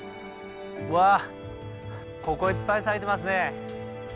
うわここいっぱい咲いてますね。